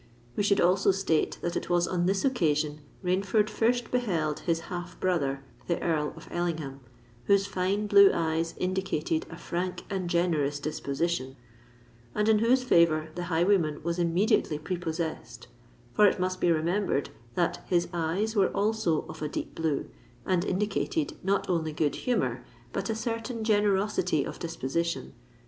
We should also state that it was on this occasion Rainford first beheld his half brother, the Earl of Ellingham, whose fine blue eyes indicated a frank, and generous disposition, and in whose favour the highwayman was immediately prepossessed; for it must be remembered that his eyes were also of a deep blue, and indicated not only good humour, but a certain generosity of disposition.